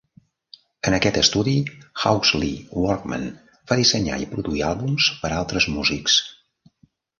En aquest estudi, Hawksley Workman va dissenyar i produir àlbums per a altres músics.